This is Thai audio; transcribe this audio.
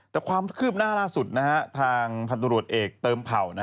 แต่ความคืบหน้าล่าสุดทางพันธุรกิจเอกเติมเผ่า